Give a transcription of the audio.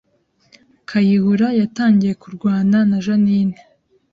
Kayihura yatangiye kurwana na Jeaninne